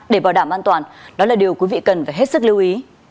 để bảo đảm an toàn đó là điều quý vị cần phải hết sức lưu ý